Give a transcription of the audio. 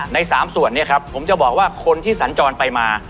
ใน๓ส่วนเนี่ยครับผมจะบอกว่าคนที่สัญจรไปมา